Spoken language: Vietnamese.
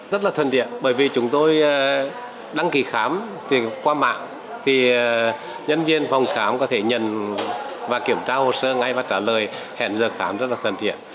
rất là thân thiện bởi vì chúng tôi đăng ký khám qua mạng thì nhân viên phòng khám có thể nhận và kiểm tra hồ sơ ngay và trả lời hẹn giờ khám rất là thân thiện